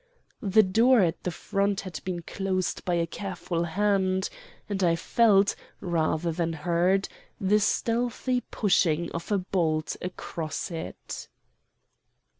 The door at the foot had been closed by a careful hand, and I felt, rather than heard, the stealthy pushing of a bolt across it.